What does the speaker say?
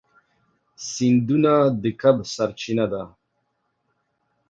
سیندونه د کب سرچینه ده.